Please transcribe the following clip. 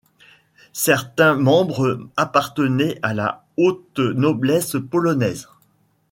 Certains membres appartenaient à la haute noblesse polonaise.